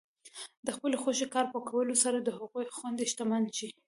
د خپلې خوښې کار په کولو سره د هغه غوندې شتمن شئ.